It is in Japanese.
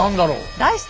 題して！